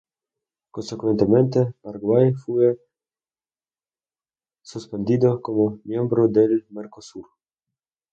Consecuentemente, Paraguay fue suspendido como miembro del Mercosur.